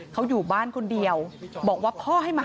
เขาอยู่บ้านคนเดียวบอกว่า